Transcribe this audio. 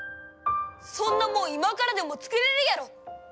そんなもん今からでも作れるやろ！